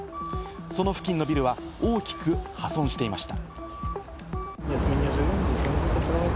その付近のビルは大きく破損していました。